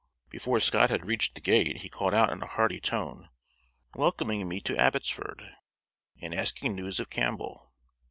Before Scott had reached the gate he called out in a hearty tone, welcoming me to Abbotsford, and asking news of Campbell.